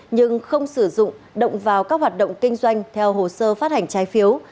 nhưng không sử dụng động vào các hoạt động kinh doanh theo hồ sơ phát hành trái phiếu